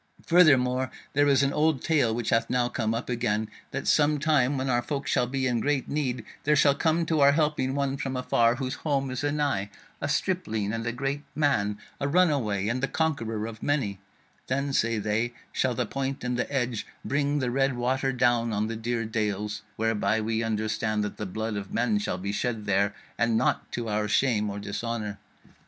Furthermore, there is an old tale which hath now come up again, That some time when our folk shall be in great need, there shall come to our helping one from afar, whose home is anigh; a stripling and a great man; a runaway, and the conqueror of many: then, say they, shall the point and the edge bring the red water down on the dear dales; whereby we understand that the blood of men shall be shed there, and naught to our shame or dishonour.